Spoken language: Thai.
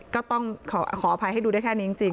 ก็ต้องขออภัยให้ดูได้แค่นี้จริง